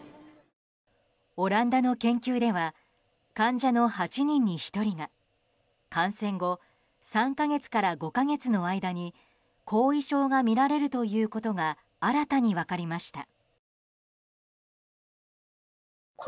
オランダの研究では患者の８人に１人が感染後３か月から５か月の間に後遺症がみられるということが新たに分かりました。